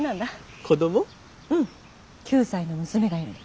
うん９歳の娘がいるの。